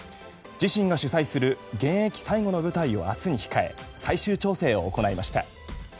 自身が主催する現役最後の舞台を明日に控え最終調整を行いました。